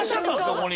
ここに。